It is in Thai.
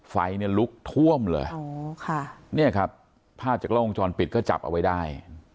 ไฟลุกท่วมเลยนี่ครับผ้าจากรองจรปิดก็จับเอาไว้ได้